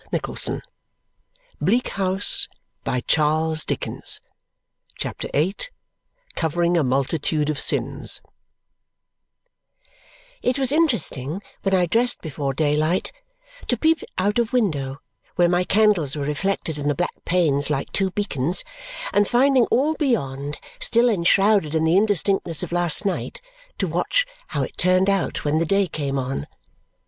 "I certainly can!" "So my Lady says." CHAPTER VIII Covering a Multitude of Sins It was interesting when I dressed before daylight to peep out of window, where my candles were reflected in the black panes like two beacons, and finding all beyond still enshrouded in the indistinctness of last night, to watch how it turned out when the day came on.